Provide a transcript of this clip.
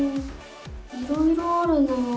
いろいろあるなあ。